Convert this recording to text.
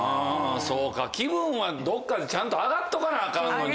そうか気分はどっかでちゃんと上がっとかなアカンのにね。